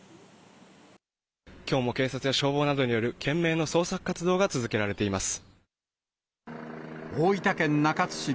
きょうも警察や消防などによる、懸命の捜索活動が続けられています。